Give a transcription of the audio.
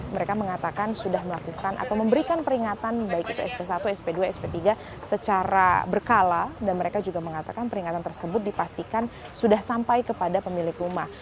mereka mengatakan sudah melakukan atau memberikan peringatan baik itu sp satu sp dua sp tiga secara berkala dan mereka juga mengatakan peringatan tersebut dipastikan sudah sampai kepada pemilik rumah